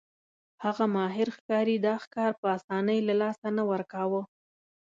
هغه ماهر ښکاري دا ښکار په اسانۍ له لاسه نه ورکاوه.